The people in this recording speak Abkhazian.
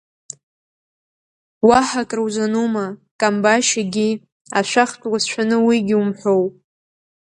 Уаҳа акры узанума, камбашь егьи, ашәахтә уацәшәаны уигьы умҳәоу?